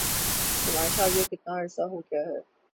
تمہاری شادی کو کتنا عرصہ ہو گیا ہے؟